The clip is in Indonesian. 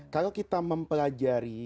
kalau kita mempelajari